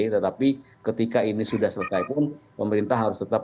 tetapi ketika ini sudah selesai pun pemerintah harus tetap